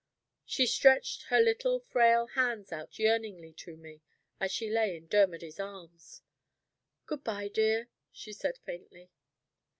She stretched her little frail hands out yearningly to me, as she lay in Dermody's arms. "Good by, dear," she said, faintly.